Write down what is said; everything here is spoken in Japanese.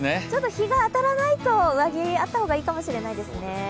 日が当たらないと上着、あった方がいいですね。